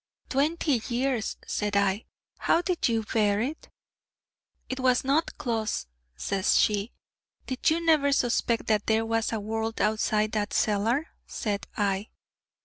'Twenty years!' said I: 'How did you bear it?' 'I was not closs,' says she. 'Did you never suspect that there was a world outside that cellar?' said I.